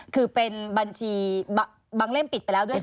คือเป็นบัญชีบางเล่มปิดไปแล้วด้วยค